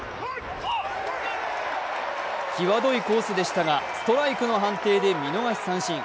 際どいコースでしたが、ストライクの判定で見逃し三振。